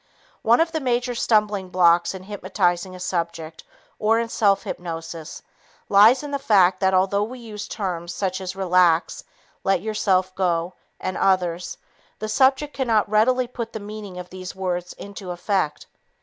One of the major stumbling blocks in hypnotizing a subject or in self hypnosis lies in the fact that although we use terms such as "relax," "let yourself go," and others, the subject cannot readily put the meaning of these words into effect.